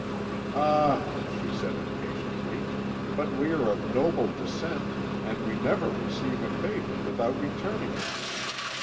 "'Ah,' she said impatiently, 'but we are of noble descent, and we never receive a favour without returning it.